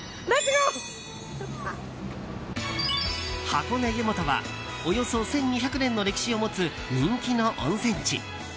箱根湯本はおよそ１２００年の歴史を持つ人気の温泉地。